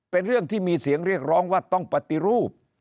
เป็นเรื่องที่มีเสียงเรียกร้องว่าต้องปฏิรูป